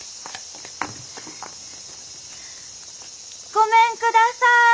ごめんください。